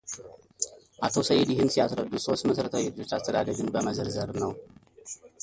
አቶ ሰኢድ ይህን ሲያስረዱ ሦስት መሠረታዊ የልጆች አስተዳደግን በመዘርዘር ነው